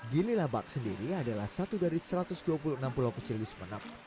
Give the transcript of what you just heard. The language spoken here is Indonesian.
gili labak sendiri adalah satu dari satu ratus dua puluh enam pulau kecil di sumeneb